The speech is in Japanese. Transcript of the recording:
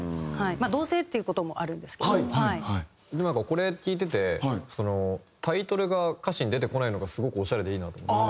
これ聴いててタイトルが歌詞に出てこないのがすごくオシャレでいいなと思って。